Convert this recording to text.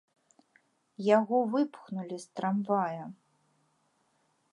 Яго выпхнулі з трамвая.